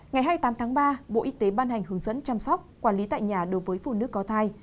ngày hai mươi tám tháng ba bộ y tế ban hành hướng dẫn chăm sóc quản lý tại nhà đối với phụ nữ có thai